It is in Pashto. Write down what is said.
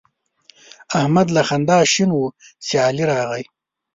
احمد له خندا شین وو چې علي راغی.